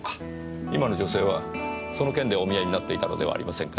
今の女性はその件でお見えになっていたのではありませんか？